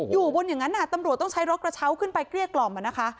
อยู่บนอย่างนั้นตำรวจต้องใช้รถกระเช้าขึ้นไปเกลี้ยกล่อมนะคะ